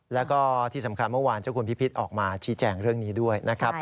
แล้วก็ที่สำคัญเมื่อวานเจ้าคุณพิพิษออกมาชี้แจงเรื่องนี้ด้วยนะครับ